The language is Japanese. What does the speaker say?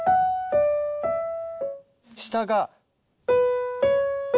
下が。